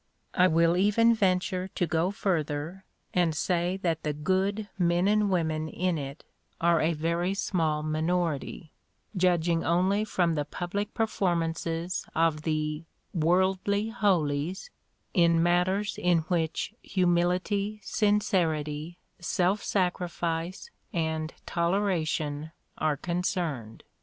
I will even venture to go further, and say that the good men and women in it are a very small minority, judging only from the public performances of the "worldly holies" in matters in which humility, sincerity, self sacrifice, and toleration, are concerned.